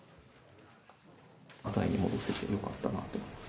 タイに戻せてよかったなと思います。